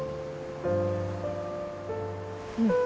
うん。